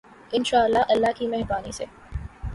انشاء اللہ، اللہ کی مہربانی سے۔